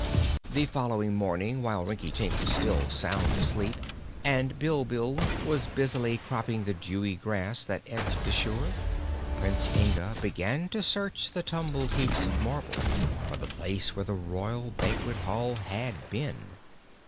The following morning, while Rinkitink was still sound asleep and Bilbil was busily cropping the dewy grass that edged the shore, Prince Inga began to search the tumbled heaps of marble for the place where the royal banquet hall had been.